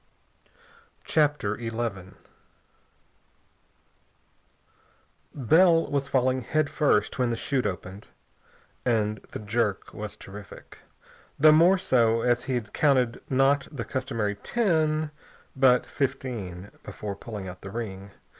CHAPTER XI Bell was falling head first when the 'chute opened, and the jerk was terrific, the more so as he had counted not the customary ten, but fifteen before pulling out the ring.